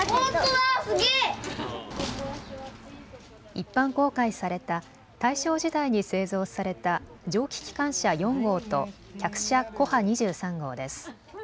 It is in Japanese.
一般公開された大正時代に製造された蒸気機関車４号と客車コハ２３号です。